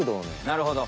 なるほど。